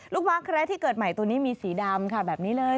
ม้าแคระที่เกิดใหม่ตัวนี้มีสีดำค่ะแบบนี้เลย